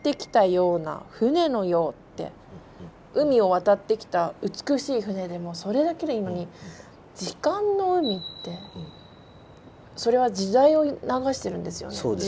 「海を渡ってきた美しい船」でもそれだけでいいのに「時間の海」ってそれは時代を流してるんですよね？